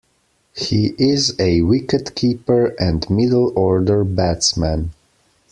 He is a wicket-keeper and middle-order batsman.